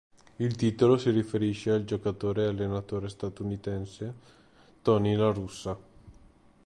Il titolo si riferisce al giocatore e allenatore statunitense Tony La Russa.